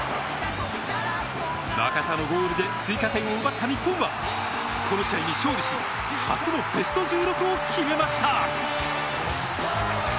中田のゴールで追加点を奪った日本はこの試合に勝利し初のベスト１６を決めました。